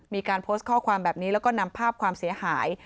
มีการโพสต์ข้อความแบบนี้แล้วก็นำภาพความเสียหาย